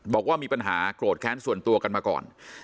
บอกว่ามีปัญหาโกรธแค้นส่วนตัวกันมาก่อน